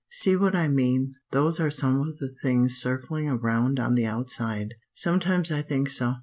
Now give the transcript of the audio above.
See what I mean? Those are some of the things circling around on the outside. "Sometimes I think so.